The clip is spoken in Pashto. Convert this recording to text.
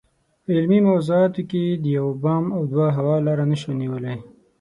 په علمي موضوعاتو کې د یو بام او دوه هوا لاره نشو نیولای.